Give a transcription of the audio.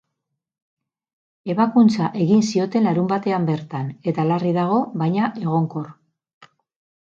Ebakuntza egin zioten larunbatean bertan, eta larri dago, baina egonkor.